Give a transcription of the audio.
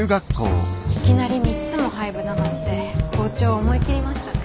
いきなり３つも廃部だなんて校長思い切りましたね。